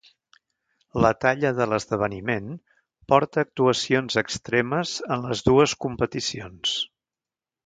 La talla de l'esdeveniment porta a actuacions extremes en les dues competicions.